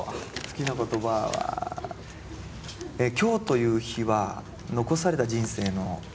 好きな言葉は「今日という日は残された人生の最初の一日」。